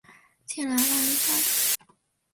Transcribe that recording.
进来玩一下吧